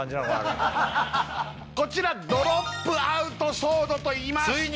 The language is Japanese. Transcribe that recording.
あれこちらドロップアウトソードといいます